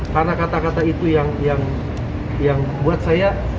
karena kata kata itu yang yang yang buat saya